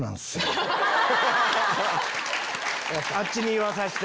あっちに言わさせて。